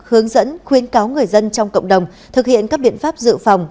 hướng dẫn khuyến cáo người dân trong cộng đồng thực hiện các biện pháp dự phòng